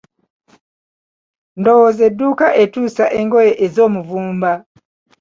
Ndowooza edduuka etuusa engoye ez'omuvumba.